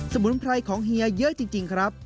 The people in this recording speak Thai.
มุนไพรของเฮียเยอะจริงครับ